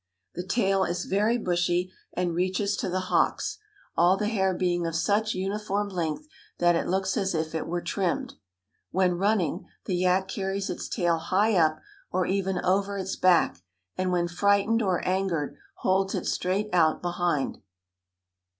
The tail is very bushy and reaches to the hocks, all the hair being of such uniform length that it looks as if it were trimmed. When running, the yak carries its tail high up or even over its back, and when frightened or angered holds it straight out behind.